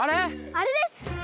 あれです。